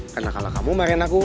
karena kalau kamu marahin aku